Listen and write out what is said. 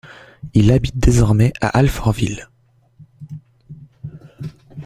Il habite désormais à Alfortville.